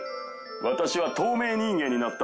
私は透明人間になった。